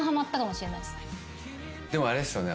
でもあれですよね。